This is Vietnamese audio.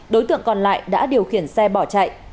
đối tượng còn lại đã điều khiển xe bỏ chạy